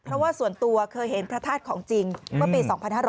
เพราะว่าส่วนตัวเคยเห็นพระธาตุของจริงเมื่อปี๒๕๕๙